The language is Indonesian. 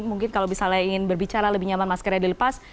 mungkin kalau misalnya ingin berbicara lebih nyaman maskernya dilepas